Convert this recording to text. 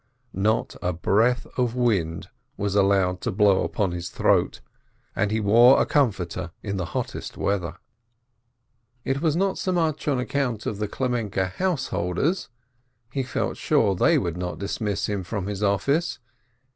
Not a breath of wind was allowed to blow upon his throat, and he wore a comforter in the hottest weather 410 EAISIN It was not so much on account of the Klemenke householders — he felt sure they would not dismiss him from his office.